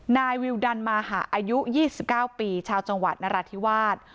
นายวิวดันมาหาอายุ๒๙ปีชาวจังหวัดนราธิวาส